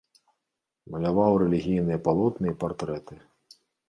Маляваў рэлігійныя палотны і партрэты.